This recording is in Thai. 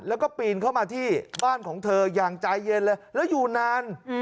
แล้วก็ปีนเข้ามาที่บ้านของเธออย่างใจเย็นเลยแล้วอยู่นาน